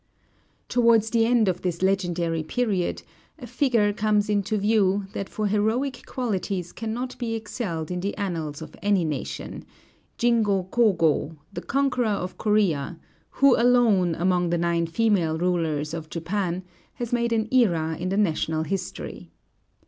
Towards the end of this legendary period, a figure comes into view that for heroic qualities cannot be excelled in the annals of any nation, Jingo Kōgō, the conqueror of Corea, who alone, among the nine female rulers of Japan, has made an era in the national history.